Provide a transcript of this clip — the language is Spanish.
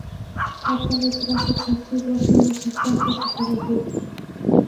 Átalo trajo consigo algunos infantes y caballeros.